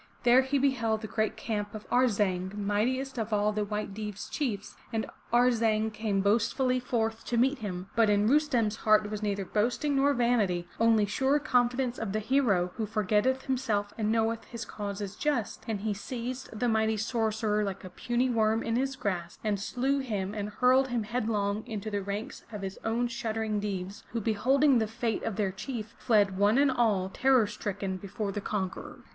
There he beheld the great camp of Ar' zang, mightiest of all the White Deev*s chiefs, and Arzang came boastfully forth to meet him. But in Rustem's heart was neither boasting nor vanity — only sure confidence of the hero, who forgetteth himself and knoweth his cause is just, and he seized the mighty sorcerer like a puny worm in his grasp and slew him and hurled him headlong into the ranks of his own shuddering Deevs, who beholding the fate of their chief, fled, one and all, terror stricken before the conqueror.